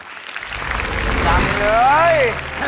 อยู่รอบคนเดียว